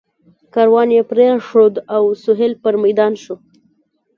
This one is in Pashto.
کاروان یې پرېښود او سهیل پر میدان شو.